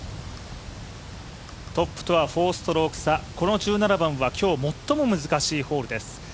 トップとは４ストローク差、この１７番は今日最も難しいホールです。